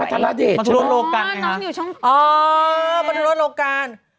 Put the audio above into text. โมทรวงโรคการ